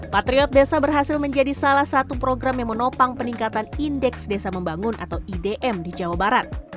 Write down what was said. patriot desa berhasil menjadi salah satu program yang menopang peningkatan indeks desa membangun atau idm di jawa barat